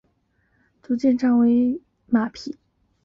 秘书处逐渐成长为一匹魁伟且强而有力的马匹。